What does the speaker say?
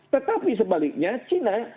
tetapi sebaliknya china